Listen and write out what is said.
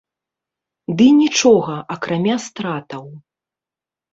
Ды нічога, акрамя стратаў.